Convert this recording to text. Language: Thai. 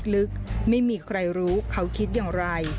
ลึกไม่มีใครรู้เขาคิดอย่างไร